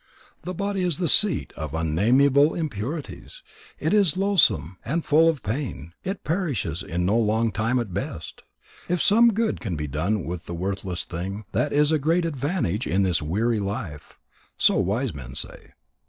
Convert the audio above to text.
The body is the seat of unnameable impurities, it is loathsome and full of pain. It perishes in no long time at best. If some good can be done with the worthless thing, that is a great advantage in this weary life, so wise men say.